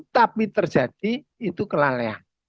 tapi terjadi itu kelalean